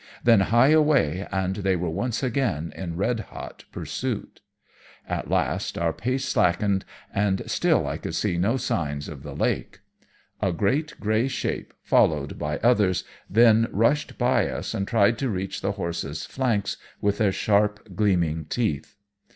Then, hie away, and they were once again in red hot pursuit. At last our pace slackened, and still I could see no signs of the lake. A great grey shape, followed by others, then rushed by us and tried to reach the horses' flanks with their sharp, gleaming teeth.